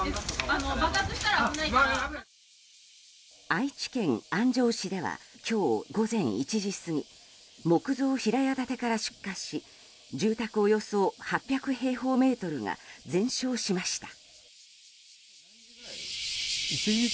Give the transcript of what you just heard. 愛知県安城市では今日午前１時過ぎ木造平屋建てから出火し住宅およそ８００平方メートルが全焼しました。